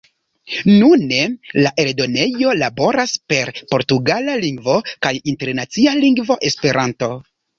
Nune, la eldonejo laboras per portugala lingvo kaj Internacia Lingvo Esperanto.